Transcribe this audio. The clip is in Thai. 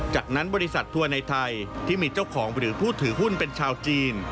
จากนั้นบริษัททัวร์ในไทยที่มีเจ้าของหรือผู้ถือหุ้นเป็นชาวจีน